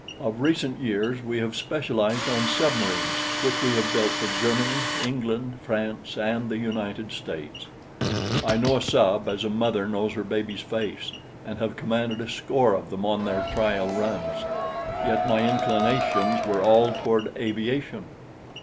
Of recent years we have specialized on submarines, which we have built for Germany, England, France and the United States. I know a sub as a mother knows her baby's face, and have commanded a score of them on their trial runs. Yet my inclinations were all toward aviation.